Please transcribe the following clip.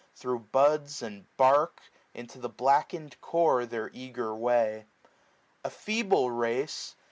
Thro' buds and bark, into the blacken'd core. Their eager way. A feeble race